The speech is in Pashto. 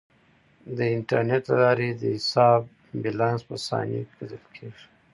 د انټرنیټ له لارې د حساب بیلانس په ثانیو کې کتل کیږي.